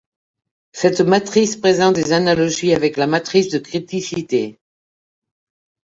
Cette matrice présente des analogies avec la matrice de criticité.